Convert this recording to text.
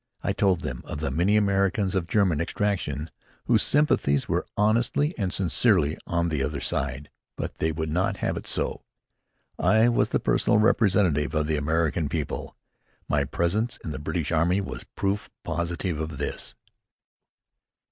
I told them of the many Americans of German extraction, whose sympathies were honestly and sincerely on the other side. But they would not have it so. I was the personal representative of the American people. My presence in the British army was proof positive of this.